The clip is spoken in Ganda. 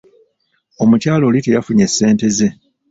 Omukyala oli teyafunye ssente ze.